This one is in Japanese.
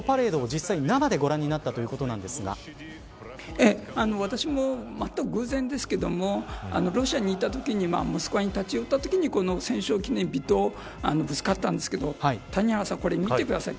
実際に、生でご覧になったということ私もまったく偶然ですけれどもロシアにいったときにモスクワに立ち寄ったときにこの戦勝記念日とぶつかったんですが谷原さん、見てください。